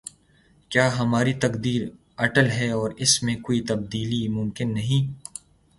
کیا ہماری تقدیر اٹل ہے اور اس میں کوئی تبدیلی ممکن نہیں؟